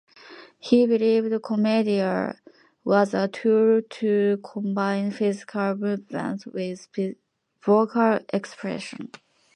He believed commedia was a tool to combine physical movement with vocal expression.